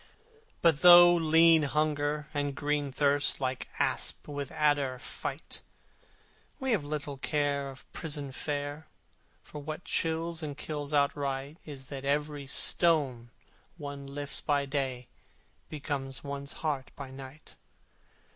But though lean Hunger and green Thirst Like asp with adder fight, We have little care of prison fare, For what chills and kills outright Is that every stone one lifts by day Becomes one's heart by night.